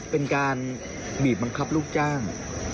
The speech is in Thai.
เป็นการบีบบังคับลูกจ้าง